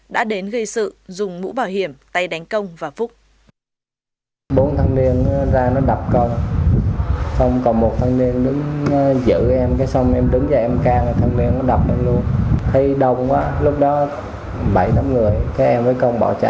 đã đến gây sự dùng mũ bảo hiểm tay đánh công và phúc